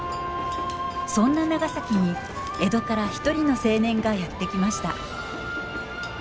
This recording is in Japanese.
そんな長崎に江戸から一人の青年がやって来ました。